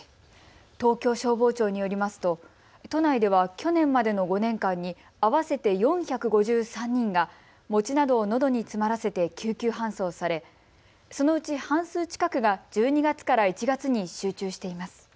東京消防庁によりますと都内では去年までの５年間に合わせて４５３人が餅などをのどに詰まらせて救急搬送され、そのうち半数近くが１２月から１月に集中しています。